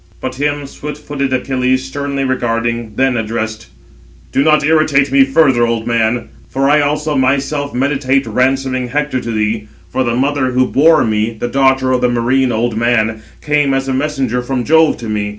But him swift footed Achilles, sternly regarding, then addressed: "Do not irritate me further, old man, for I also myself meditate ransoming Hector to thee; for the mother who bore me, the daughter of the marine old man, came as a messenger from Jove to me.